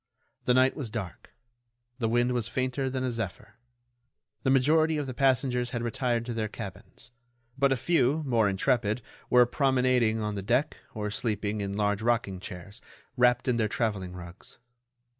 The night was dark; the wind was fainter than a zephyr. The majority of the passengers had retired to their cabins; but a few, more intrepid, were promenading on the deck or sleeping in large rocking chairs, wrapped in their travelling rugs.